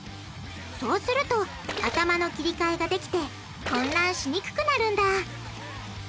そうすると頭の切り替えができて混乱しにくくなるんだ！